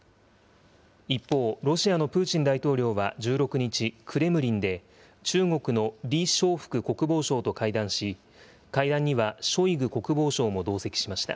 一方、ロシアのプーチン大統領は１６日、クレムリンで、中国の李尚福国防相と会談し、会談にはショイグ国防相も同席しました。